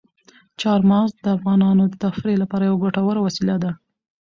چار مغز د افغانانو د تفریح لپاره یوه ګټوره وسیله ده.